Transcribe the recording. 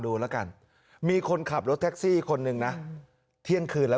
ดูแล้วกันมีคนขับรถแท็กซี่คนหนึ่งนะเที่ยงคืนแล้ว